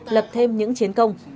lập thêm những chiến công